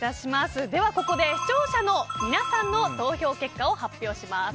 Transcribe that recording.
では、ここで視聴者の皆さんの投票結果を発表します。